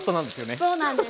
そうなんです。